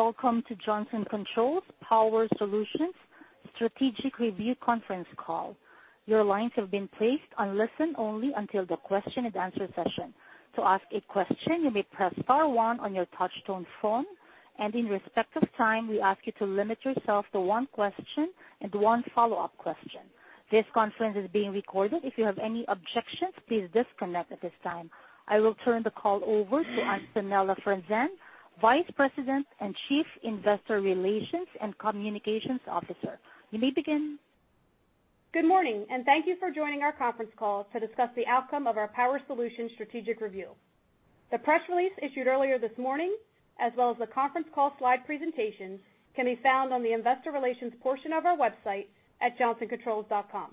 Welcome to Johnson Controls Power Solutions Strategic Review conference call. Your lines have been placed on listen only until the question and answer session. To ask a question, you may press star one on your touch-tone phone, and in respect of time, we ask you to limit yourself to one question and one follow-up question. This conference is being recorded. If you have any objections, please disconnect at this time. I will turn the call over to Antonella Franzen, Vice President and Chief Investor Relations and Communications Officer. You may begin. Good morning. Thank you for joining our conference call to discuss the outcome of our Power Solutions strategic review. The press release issued earlier this morning, as well as the conference call slide presentation, can be found on the investor relations portion of our website at johnsoncontrols.com.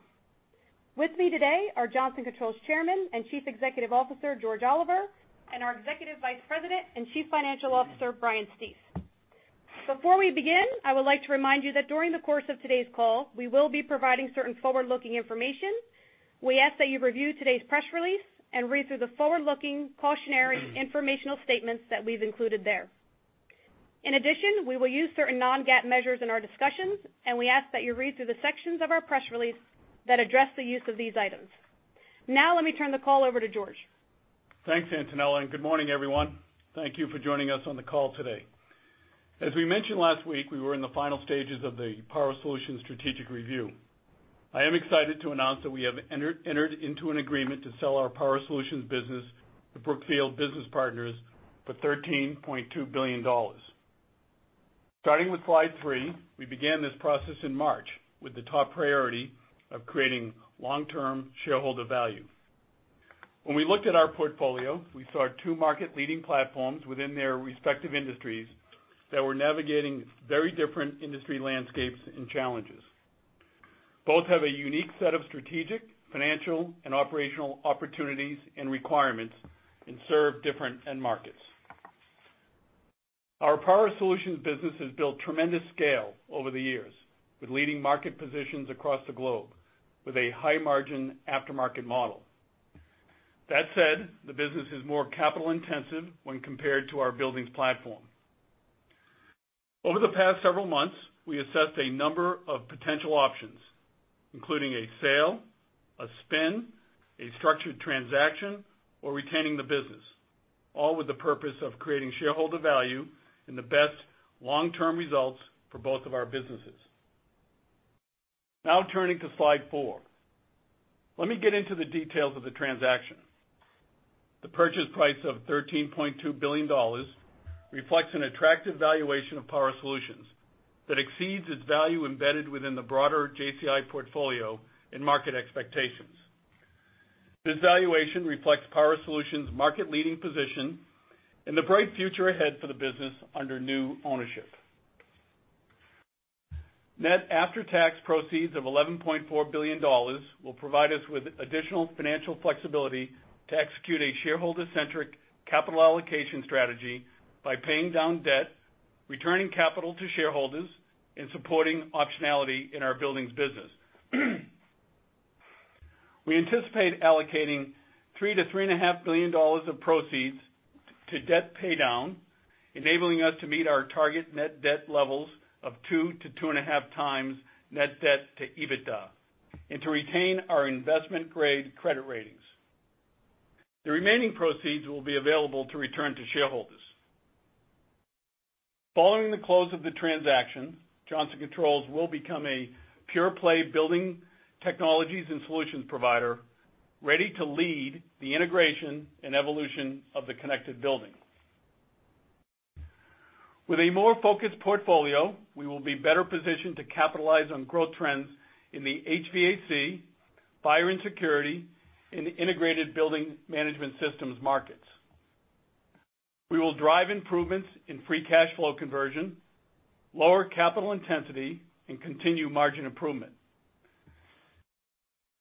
With me today are Johnson Controls Chairman and Chief Executive Officer, George Oliver, and our Executive Vice President and Chief Financial Officer, Brian Stief. Before we begin, I would like to remind you that during the course of today's call, we will be providing certain forward-looking information. We ask that you review today's press release and read through the forward-looking cautionary informational statements that we've included there. In addition, we will use certain non-GAAP measures in our discussions, and we ask that you read through the sections of our press release that address the use of these items. Let me turn the call over to George. Thanks, Antonella. Good morning, everyone. Thank you for joining us on the call today. As we mentioned last week, we were in the final stages of the Power Solutions strategic review. I am excited to announce that we have entered into an agreement to sell our Power Solutions business to Brookfield Business Partners for $13.2 billion. Starting with slide three, we began this process in March with the top priority of creating long-term shareholder value. When we looked at our portfolio, we saw two market-leading platforms within their respective industries that were navigating very different industry landscapes and challenges. Both have a unique set of strategic, financial, and operational opportunities and requirements and serve different end markets. Our Power Solutions business has built tremendous scale over the years, with leading market positions across the globe with a high-margin aftermarket model. That said, the business is more capital intensive when compared to our buildings platform. Over the past several months, we assessed a number of potential options, including a sale, a spin, a structured transaction, or retaining the business, all with the purpose of creating shareholder value and the best long-term results for both of our businesses. Turning to slide four, let me get into the details of the transaction. The purchase price of $13.2 billion reflects an attractive valuation of Power Solutions that exceeds its value embedded within the broader JCI portfolio and market expectations. This valuation reflects Power Solutions' market-leading position and the bright future ahead for the business under new ownership. Net after-tax proceeds of $11.4 billion will provide us with additional financial flexibility to execute a shareholder-centric capital allocation strategy by paying down debt, returning capital to shareholders, and supporting optionality in our buildings business. We anticipate allocating $3 billion-$3.5 billion of proceeds to debt paydown, enabling us to meet our target net debt levels of 2 to 2.5 times net debt to EBITDA and to retain our investment-grade credit ratings. The remaining proceeds will be available to return to shareholders. Following the close of the transaction, Johnson Controls will become a pure-play building technologies and solutions provider, ready to lead the integration and evolution of the connected building. With a more focused portfolio, we will be better positioned to capitalize on growth trends in the HVAC, fire and security, and integrated building management systems markets. We will drive improvements in free cash flow conversion, lower capital intensity, and continue margin improvement.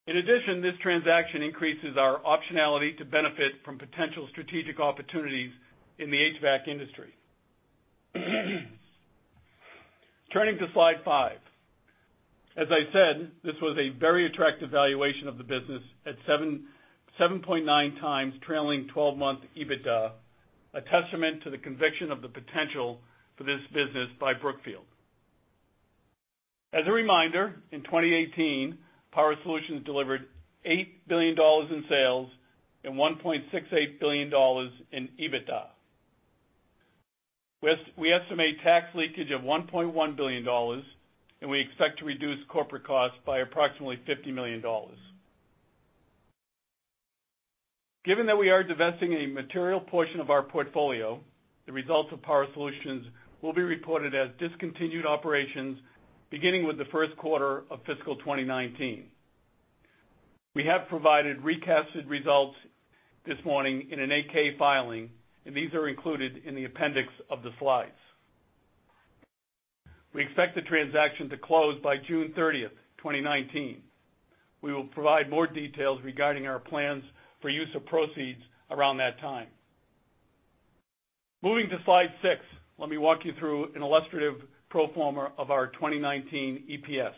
In addition, this transaction increases our optionality to benefit from potential strategic opportunities in the HVAC industry. Turning to slide five. As I said, this was a very attractive valuation of the business at 7.9x trailing 12-month EBITDA, a testament to the conviction of the potential for this business by Brookfield. As a reminder, in 2018, Power Solutions delivered $8 billion in sales and $1.68 billion in EBITDA. We estimate tax leakage of $1.1 billion, and we expect to reduce corporate costs by approximately $50 million. Given that we are divesting a material portion of our portfolio, the results of Power Solutions will be reported as discontinued operations beginning with the first quarter of fiscal 2019. We have provided recasted results this morning in an 8-K filing, and these are included in the appendix of the slides. We expect the transaction to close by June 30, 2019. We will provide more details regarding our plans for use of proceeds around that time. Moving to slide six, let me walk you through an illustrative pro forma of our 2019 EPS.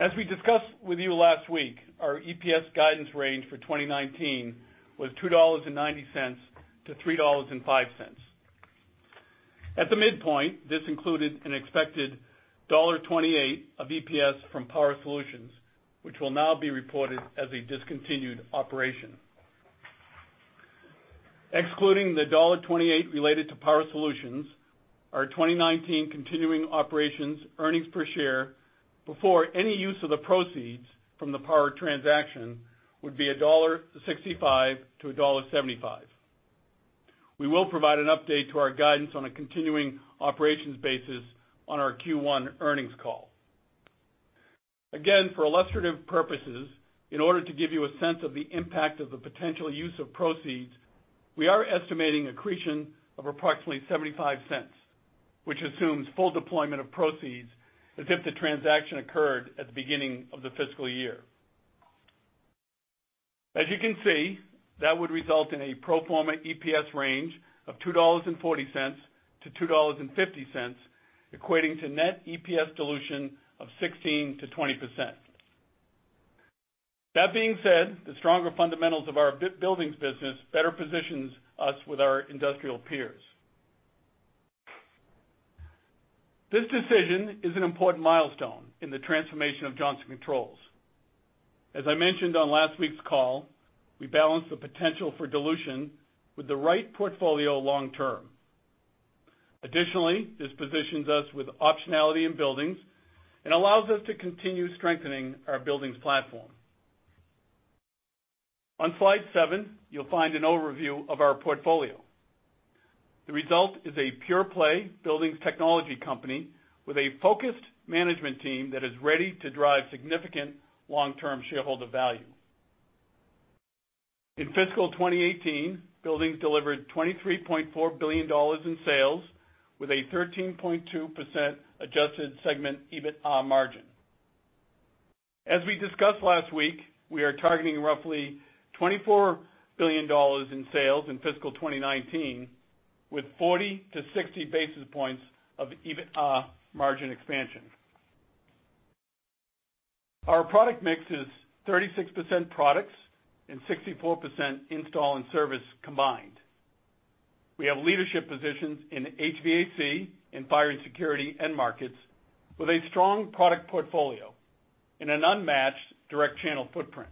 As we discussed with you last week, our EPS guidance range for 2019 was $2.90-$3.05. At the midpoint, this included an expected $1.28 of EPS from Power Solutions, which will now be reported as a discontinued operation. Excluding the $1.28 related to Power Solutions, our 2019 continuing operations earnings per share, before any use of the proceeds from the Power transaction, would be $1.65-$1.75. We will provide an update to our guidance on a continuing operations basis on our Q1 earnings call. Again, for illustrative purposes, in order to give you a sense of the impact of the potential use of proceeds, we are estimating accretion of approximately $0.75, which assumes full deployment of proceeds as if the transaction occurred at the beginning of the fiscal year. As you can see, that would result in a pro forma EPS range of $2.40-$2.50, equating to net EPS dilution of 16%-20%. The stronger fundamentals of our Buildings business better positions us with our industrial peers. This decision is an important milestone in the transformation of Johnson Controls. As I mentioned on last week's call, we balance the potential for dilution with the right portfolio long term. This positions us with optionality in Buildings and allows us to continue strengthening our Buildings platform. On slide seven, you'll find an overview of our portfolio. The result is a pure-play Buildings technology company with a focused management team that is ready to drive significant long-term shareholder value. In fiscal 2018, Buildings delivered $23.4 billion in sales with a 13.2% adjusted segment EBITA margin. As we discussed last week, we are targeting roughly $24 billion in sales in fiscal 2019, with 40 to 60 basis points of EBITA margin expansion. Our product mix is 36% products and 64% install and service combined. We have leadership positions in HVAC, in fire and security end markets, with a strong product portfolio and an unmatched direct channel footprint.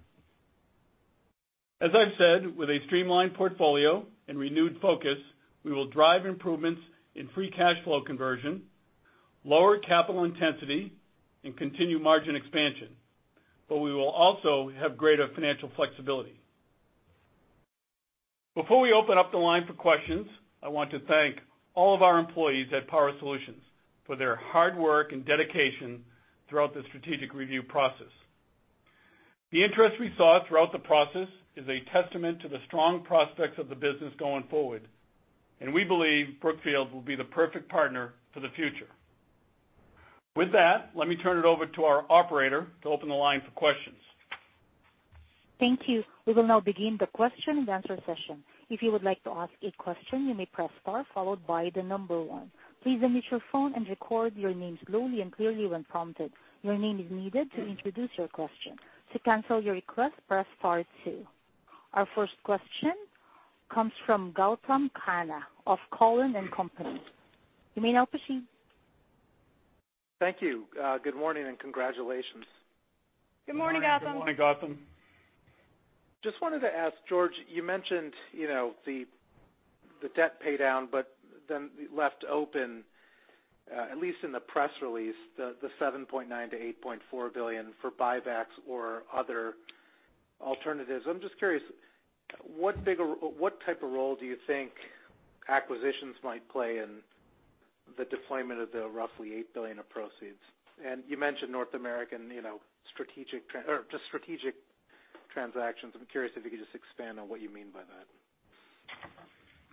As I've said, with a streamlined portfolio and renewed focus, we will drive improvements in free cash flow conversion, lower capital intensity, and continue margin expansion. We will also have greater financial flexibility. Before we open up the line for questions, I want to thank all of our employees at Power Solutions for their hard work and dedication throughout the strategic review process. The interest we saw throughout the process is a testament to the strong prospects of the business going forward. We believe Brookfield will be the perfect partner for the future. With that, let me turn it over to our operator to open the line for questions. Thank you. We will now begin the question and answer session. If you would like to ask a question, you may press star followed by the number 1. Please unmute your phone and record your name slowly and clearly when prompted. Your name is needed to introduce your question. To cancel your request, press star 2. Our first question comes from Gautam Khanna of Cowen and Company. You may now proceed. Thank you. Good morning and congratulations. Good morning, Gautam. Good morning, Gautam. Just wanted to ask, George, you mentioned the debt paydown, but then left open, at least in the press release, the $7.9 billion-$8.4 billion for buybacks or other alternatives. I'm just curious, what type of role do you think acquisitions might play in the deployment of the roughly $8 billion of proceeds? You mentioned North American strategic transactions. I'm curious if you could just expand on what you mean by that.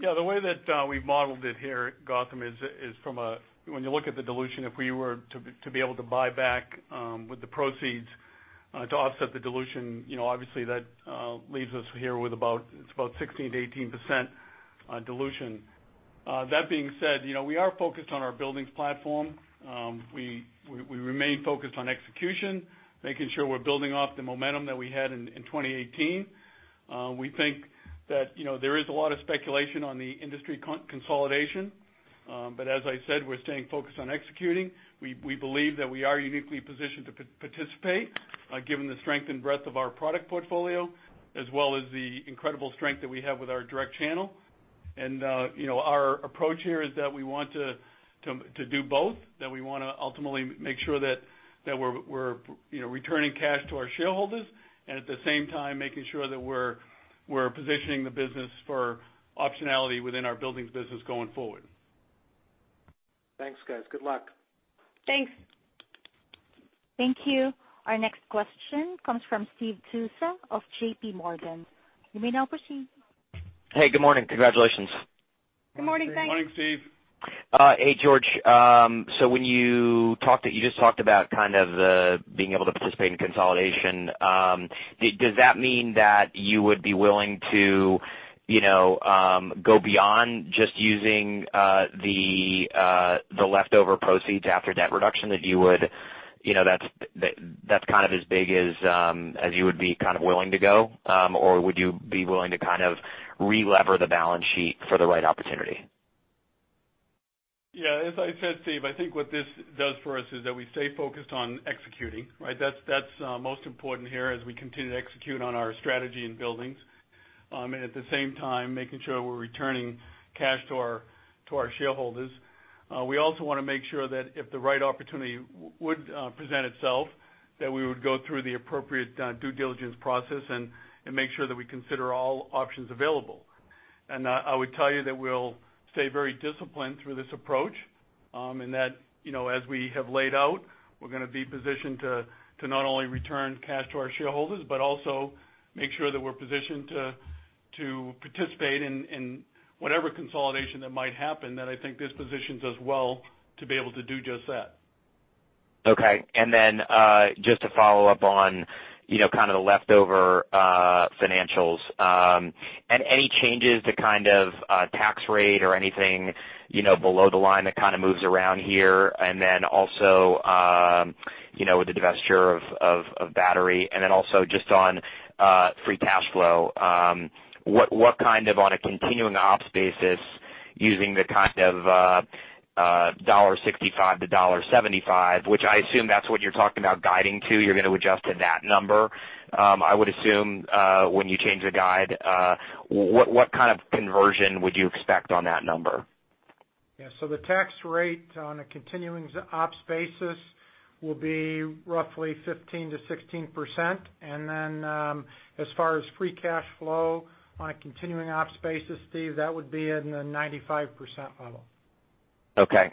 Yeah. The way that we've modeled it here, Gautam, is when you look at the dilution, if we were to be able to buy back with the proceeds to offset the dilution, obviously that leaves us here with about 16%-18% dilution. That being said, we are focused on our Buildings platform. We remain focused on execution, making sure we're building off the momentum that we had in 2018. We think that there is a lot of speculation on the industry consolidation. As I said, we're staying focused on executing. We believe that we are uniquely positioned to participate given the strength and breadth of our product portfolio, as well as the incredible strength that we have with our direct channel. Our approach here is that we want to do both, that we want to ultimately make sure that we're returning cash to our shareholders, and at the same time making sure that we're positioning the business for optionality within our Buildings business going forward. Thanks, guys. Good luck. Thanks. Thank you. Our next question comes from Steve Tusa of J.P. Morgan. You may now proceed. Hey, good morning. Congratulations. Good morning, Steve. Good morning, Steve. Hey, George. You just talked about kind of being able to participate in consolidation. Does that mean that you would be willing to go beyond just using the leftover proceeds after debt reduction, that's kind of as big as you would be willing to go? Would you be willing to re-lever the balance sheet for the right opportunity? As I said, Steve, I think what this does for us is that we stay focused on executing, right? That's most important here as we continue to execute on our strategy in buildings. At the same time, making sure we're returning cash to our shareholders. We also want to make sure that if the right opportunity would present itself, that we would go through the appropriate due diligence process and make sure that we consider all options available. I would tell you that we'll stay very disciplined through this approach, and that as we have laid out, we're going to be positioned to not only return cash to our shareholders, but also make sure that we're positioned to participate in whatever consolidation that might happen, that I think this positions us well to be able to do just that. Just to follow up on kind of the leftover financials. Any changes to kind of tax rate or anything below the line that kind of moves around here, and then also, with the divestiture of battery, and then also just on free cash flow. What kind of, on a continuing ops basis, using the kind of $1.65-$1.75, which I assume that's what you're talking about guiding to, you're going to adjust to that number. I would assume, when you change the guide, what kind of conversion would you expect on that number? Yeah. The tax rate on a continuing ops basis will be roughly 15%-16%. As far as free cash flow on a continuing ops basis, Steve, that would be in the 95% level. Okay.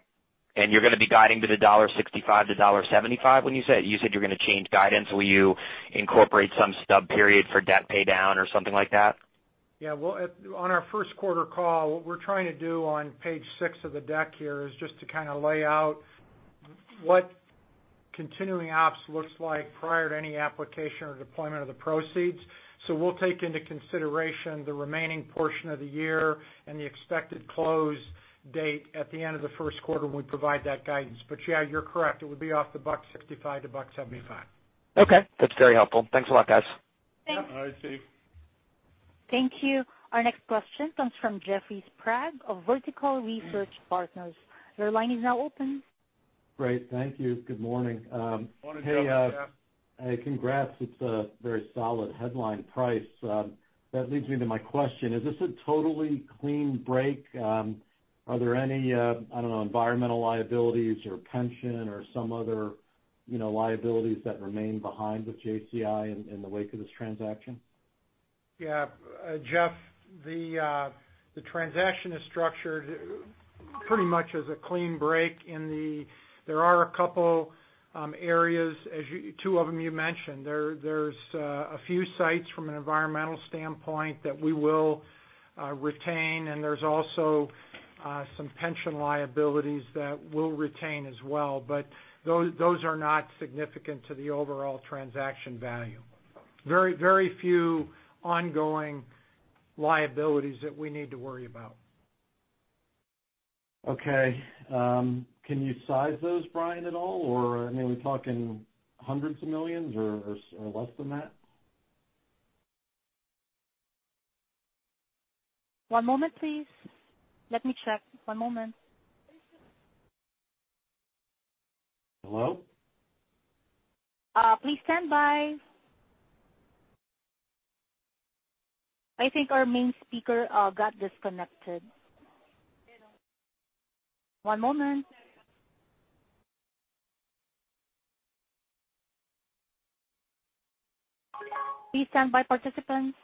You're going to be guiding to the $1.65-$1.75 when you said you're going to change guidance? Will you incorporate some stub period for debt pay down or something like that? Yeah. On our first quarter call, what we're trying to do on page six of the deck here is just to kind of lay out what continuing ops looks like prior to any application or deployment of the proceeds. We'll take into consideration the remaining portion of the year and the expected close date at the end of the first quarter when we provide that guidance. Yeah, you're correct. It would be off the $1.65-$1.75. Okay. That's very helpful. Thanks a lot, guys. Yeah. All right, Steve. Thank you. Our next question comes from Jeff Sprague of Vertical Research Partners. Your line is now open. Great. Thank you. Good morning. Morning, Jeff. Hey. Congrats. It's a very solid headline price. That leads me to my question. Is this a totally clean break? Are there any, I don't know, environmental liabilities or pension or some other liabilities that remain behind with JCI in the wake of this transaction? Yeah. Jeff, the transaction is structured pretty much as a clean break. There are a couple areas, two of them you mentioned. There's a few sites from an environmental standpoint that we will retain, and there's also some pension liabilities that we'll retain as well, but those are not significant to the overall transaction value. Very few ongoing liabilities that we need to worry about. Okay. Can you size those, Brian, at all? Are we talking hundreds of millions or less than that? One moment please. Let me check. One moment. Hello? Please stand by. I think our main speaker got disconnected. One moment. Please stand by, participants.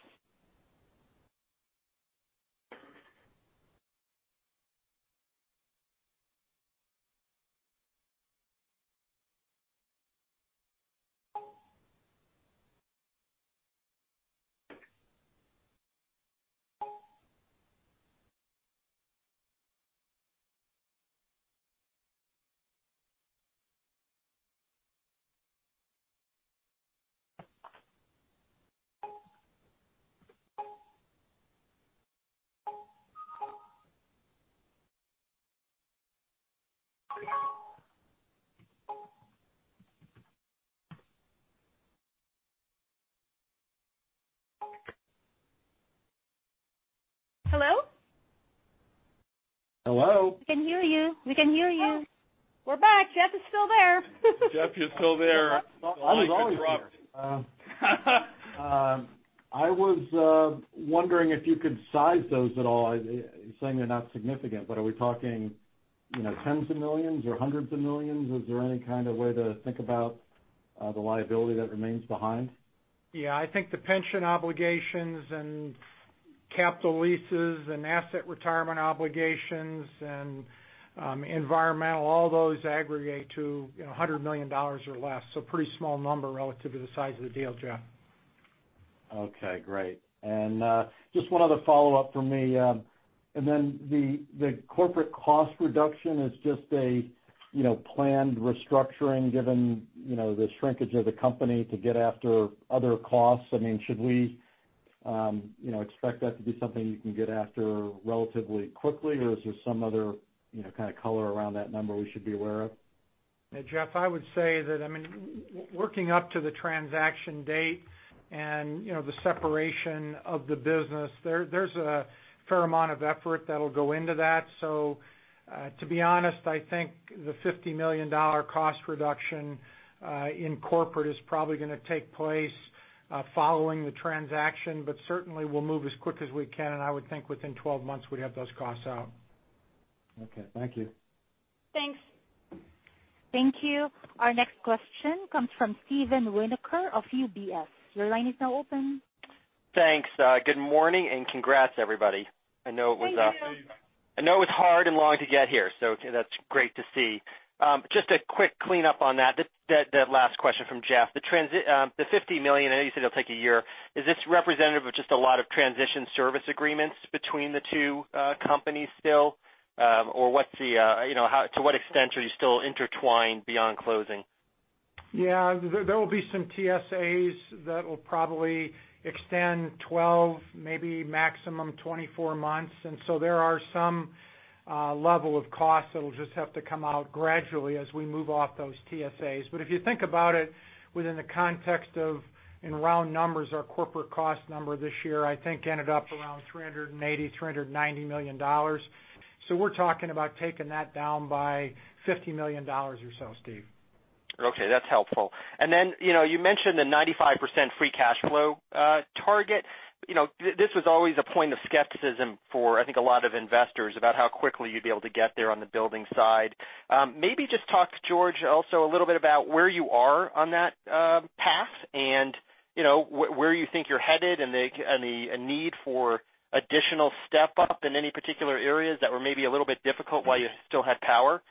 Hello? Hello. We can hear you. We're back. Jeff is still there. Jeff is still there. I was always here. I was wondering if you could size those at all. You're saying they're not significant, but are we talking tens of millions or hundreds of millions? Is there any kind of way to think about the liability that remains behind? Yeah. I think the pension obligations and capital leases and asset retirement obligations and environmental, all those aggregate to $100 million or less. pretty small number relative to the size of the deal, Jeff Sprague. Okay, great. Just one other follow-up from me. Then the corporate cost reduction is just a planned restructuring given the shrinkage of the company to get after other costs. Should we expect that to be something you can get after relatively quickly, or is there some other kind of color around that number we should be aware of? Jeff, I would say that, working up to the transaction date and the separation of the business, there's a fair amount of effort that'll go into that. To be honest, I think the $50 million cost reduction in corporate is probably going to take place following the transaction. Certainly, we'll move as quick as we can, and I would think within 12 months we'd have those costs out. Okay. Thank you. Thanks. Thank you. Our next question comes from Stephen Volkmann of UBS. Your line is now open. Thanks. Good morning, congrats everybody. Thank you I know it was hard and long to get here, so that is great to see. Just a quick cleanup on that last question from Jeff. The $50 million, I know you said it will take a year. Is this representative of just a lot of Transition Service Agreements between the two companies still? Or to what extent are you still intertwined beyond closing? Yeah. There will be some TSAs that will probably extend 12, maybe maximum 24 months. There are some level of costs that will just have to come out gradually as we move off those TSAs. If you think about it within the context of, in round numbers, our corporate cost number this year, I think ended up around $380, $390 million. We are talking about taking that down by $50 million or so, Steve. Okay, that is helpful. You mentioned the 95% free cash flow target. This was always a point of skepticism for, I think, a lot of investors about how quickly you would be able to get there on the building side. Maybe just talk, George, also a little bit about where you are on that path and where you think you are headed, and the need for additional step-up in any particular areas that were maybe a little bit difficult while you still had Power.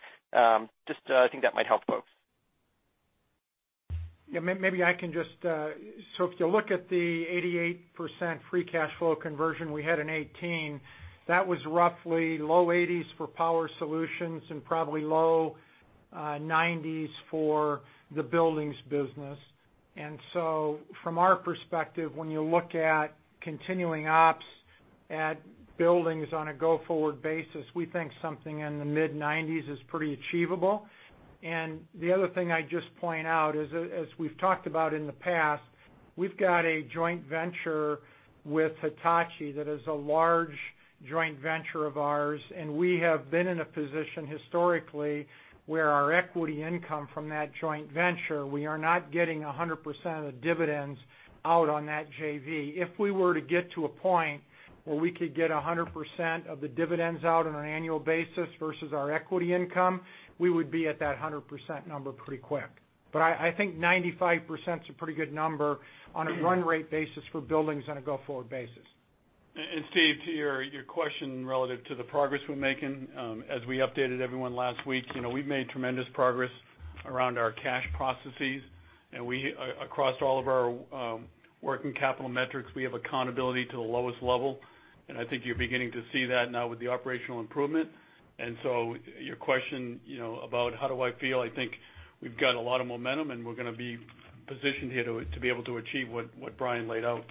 Just, I think that might help folks. If you look at the 88% free cash flow conversion we had in 2018, that was roughly low 80s for Power Solutions and probably low 90s for the buildings business. From our perspective, when you look at continuing ops at buildings on a go-forward basis, we think something in the mid-90s is pretty achievable. The other thing I'd just point out is, as we've talked about in the past, we've got a joint venture with Hitachi that is a large joint venture of ours, and we have been in a position historically where our equity income from that joint venture, we are not getting 100% of the dividends out on that JV. If we were to get to a point where we could get 100% of the dividends out on an annual basis versus our equity income, we would be at that 100% number pretty quick. I think 95% is a pretty good number on a run rate basis for buildings on a go-forward basis. Steve, to your question relative to the progress we're making, as we updated everyone last week, we've made tremendous progress around our cash processes, and across all of our working capital metrics, we have accountability to the lowest level. I think you're beginning to see that now with the operational improvement. Your question, about how do I feel, I think we've got a lot of momentum, and we're going to be positioned here to be able to achieve what Brian laid out.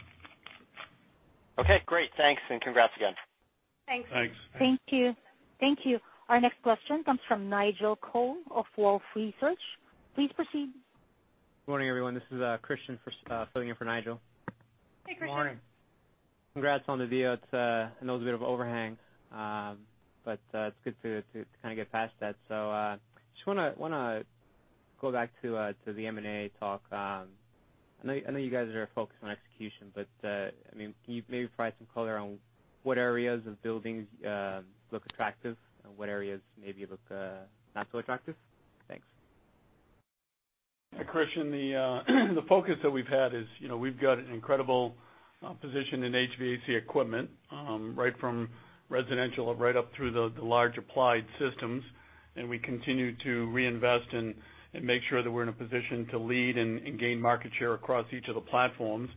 Okay, great. Thanks and congrats again. Thanks. Thanks. Thank you. Our next question comes from Nigel Coe of Wolfe Research. Please proceed. Good morning, everyone. This is Christian filling in for Nigel. Hey, Christian. Good morning. Congrats on the deal. I know there was a bit of overhangs. It's good to kind of get past that. Just want to go back to the M&A talk. I know you guys are focused on execution, but can you maybe provide some color on what areas of buildings look attractive and what areas maybe look not so attractive? Thanks. Hi, Christian. The focus that we've had is, we've got an incredible position in HVAC equipment, right from residential right up through the large applied systems. We continue to reinvest and make sure that we're in a position to lead and gain market share across each of the platforms.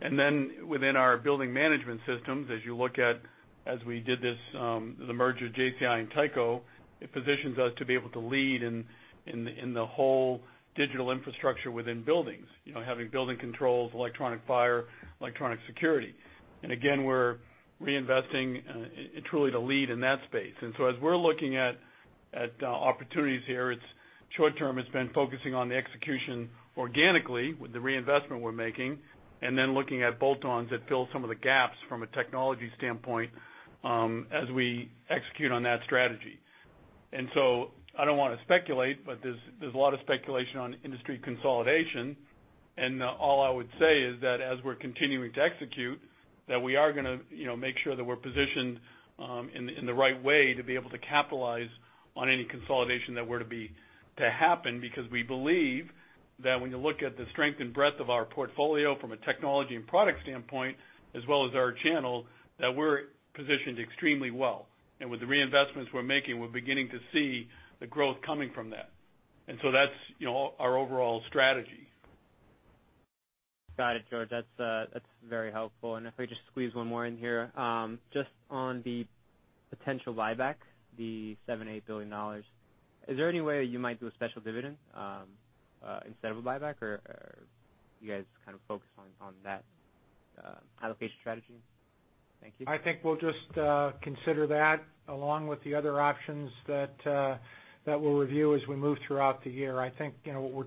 Within our building management systems, as we did this, the merger of JCI and Tyco, it positions us to be able to lead in the whole digital infrastructure within buildings. Having building controls, electronic fire, electronic security. Again, we're reinvesting truly to lead in that space. As we're looking at opportunities here, short term, it's been focusing on the execution organically with the reinvestment we're making, and then looking at bolt-ons that fill some of the gaps from a technology standpoint, as we execute on that strategy. I don't want to speculate, but there's a lot of speculation on industry consolidation. All I would say is that as we're continuing to execute, that we are going to make sure that we're positioned in the right way to be able to capitalize on any consolidation that were to happen, because we believe that when you look at the strength and breadth of our portfolio from a technology and product standpoint, as well as our channel, that we're positioned extremely well. With the reinvestments we're making, we're beginning to see the growth coming from that. That's our overall strategy. Got it, George. That's very helpful. If I could just squeeze one more in here. Just on the potential buyback, the $7 billion, $8 billion. Is there any way you might do a special dividend, instead of a buyback, or are you guys kind of focused on that allocation strategy? Thank you. I think we'll just consider that along with the other options that we'll review as we move throughout the year. I think what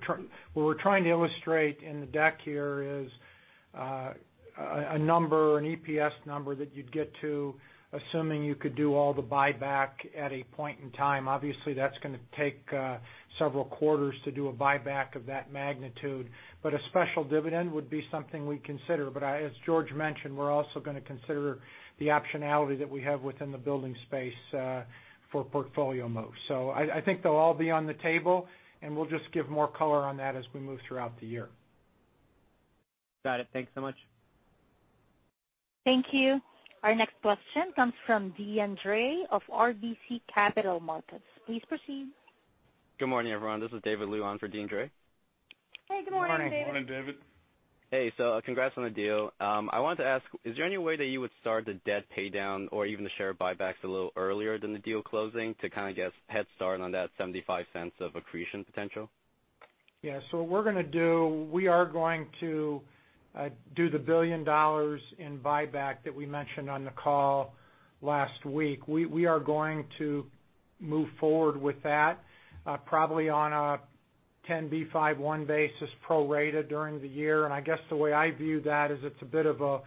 we're trying to illustrate in the deck here is a number, an EPS number, that you'd get to assuming you could do all the buyback at a point in time. Obviously, that's going to take several quarters to do a buyback of that magnitude. A special dividend would be something we'd consider. As George mentioned, we're also going to consider the optionality that we have within the buildings space for portfolio moves. I think they'll all be on the table, and we'll just give more color on that as we move throughout the year. Got it. Thanks so much. Thank you. Our next question comes from Deane Dray of RBC Capital Markets. Please proceed. Good morning, everyone. This is David Luan for Deane Dray. Hey, good morning, David. Morning, David. Hey, congrats on the deal. I wanted to ask, is there any way that you would start the debt paydown or even the share buybacks a little earlier than the deal closing to kind of get a head start on that $0.75 of accretion potential? Yeah. We are going to do the $1 billion in buyback that we mentioned on the call last week. We are going to move forward with that, probably on a 10b5-1 basis pro rata during the year. I guess the way I view that is it's a bit of a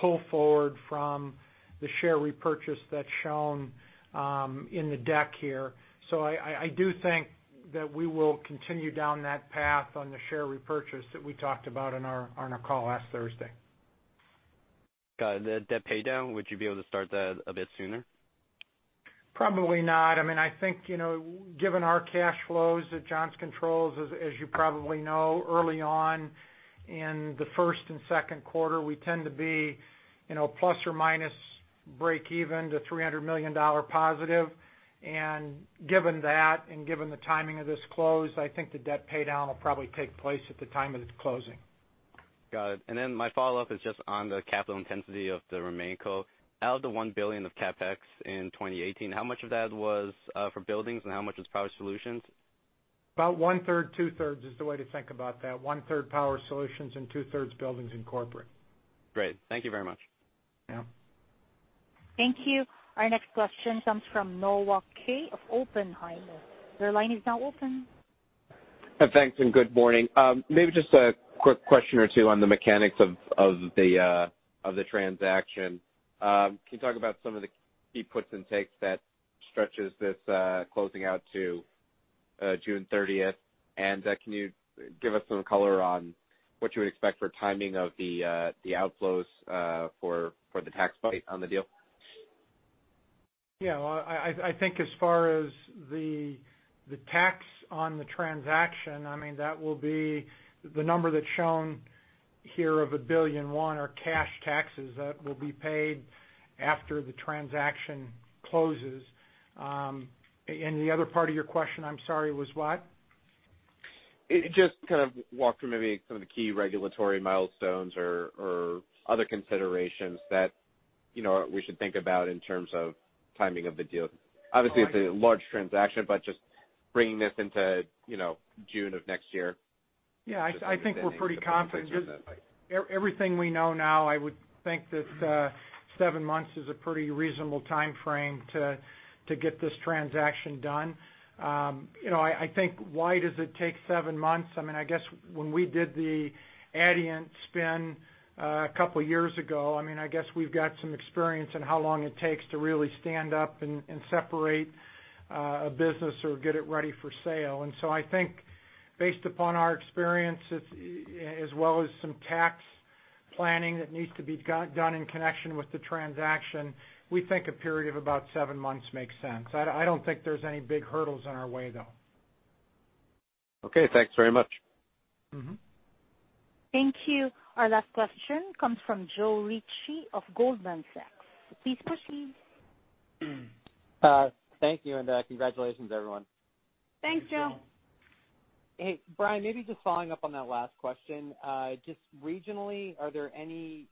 pull forward from the share repurchase that's shown in the deck here. I do think that we will continue down that path on the share repurchase that we talked about on our call last Thursday. Got it. The debt paydown, would you be able to start that a bit sooner? Probably not. I think, given our cash flows that Johnson Controls, as you probably know, early on in the first and second quarter, we tend to be ± break even to $300 million positive. Given that, and given the timing of this close, I think the debt paydown will probably take place at the time of its closing. Got it. Then my follow-up is just on the capital intensity of the RemainCo. Out of the $1 billion of CapEx in 2018, how much of that was for buildings and how much was Power Solutions? About one-third, two-thirds is the way to think about that. One-third Power Solutions and two-thirds buildings and corporate. Great. Thank you very much. Yeah. Thank you. Our next question comes from Noah Kaye of Oppenheimer. Your line is now open. Thanks, good morning. Maybe just a quick question or two on the mechanics of the transaction. Can you talk about some of the key puts and takes that stretches this closing out to June 30th? Can you give us some color on what you would expect for timing of the outflows for the tax bite on the deal? Yeah. I think as far as the tax on the transaction, the number that's shown here of $1.1 billion are cash taxes that will be paid after the transaction closes. The other part of your question, I'm sorry, was what? kind of walk through maybe some of the key regulatory milestones or other considerations that we should think about in terms of timing of the deal. Obviously, it's a large transaction, but just bringing this into June of next year. I think we're pretty confident. Everything we know now, I would think that seven months is a pretty reasonable timeframe to get this transaction done. I think why does it take seven months? I guess when we did the Adient spin a couple of years ago, I guess we've got some experience in how long it takes to really stand up and separate a business or get it ready for sale. I think based upon our experience, as well as some tax planning that needs to be done in connection with the transaction, we think a period of about seven months makes sense. I don't think there's any big hurdles in our way, though. Okay, thanks very much. Thank you. Our last question comes from Joe Ritchie of Goldman Sachs. Please proceed. Thank you. Congratulations, everyone. Thanks, Joe. Thanks, Joe. Hey, Brian, maybe just following up on that last question. Just regionally, are there any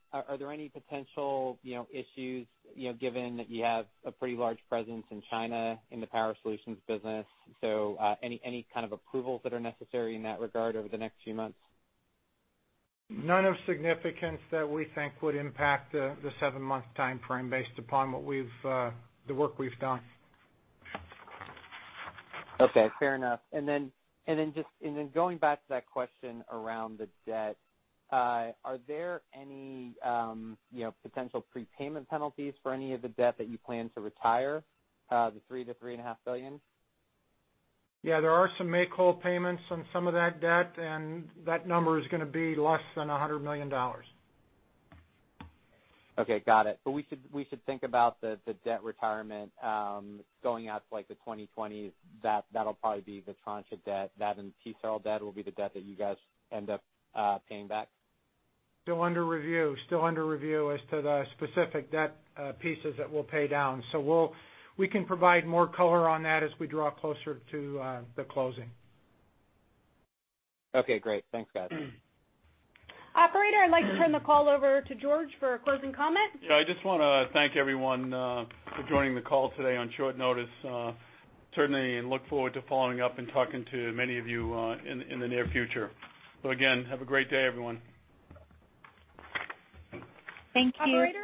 potential issues, given that you have a pretty large presence in China in the Power Solutions business? Any kind of approvals that are necessary in that regard over the next few months? None of significance that we think would impact the seven-month timeframe based upon the work we've done. Okay, fair enough. Just going back to that question around the debt, are there any potential prepayment penalties for any of the debt that you plan to retire, the $3 billion-$3.5 billion? Yeah, there are some make-whole payments on some of that debt, that number is going to be less than $100 million. Okay, got it. We should think about the debt retirement going out to the 2020s, that'll probably be the tranche of debt. That and Tyco debt will be the debt that you guys end up paying back? Still under review as to the specific debt pieces that we'll pay down. We can provide more color on that as we draw closer to the closing. Okay, great. Thanks, guys. Operator, I'd like to turn the call over to George for a closing comment. Yeah, I just want to thank everyone for joining the call today on short notice. Certainly look forward to following up and talking to many of you in the near future. Again, have a great day, everyone. Thank you. Operator?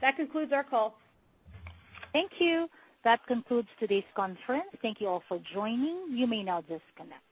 That concludes our call. Thank you. That concludes today's conference. Thank you all for joining. You may now disconnect.